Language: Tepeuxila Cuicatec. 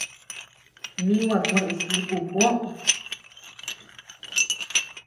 Nigua kueʼes nuku Juó.